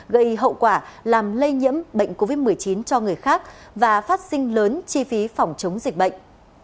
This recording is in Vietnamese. gây hậu quả làm lây nhiễm bệnh covid một mươi chín cho người khác và phát sinh lớn chi phí phòng chống dịch bệnh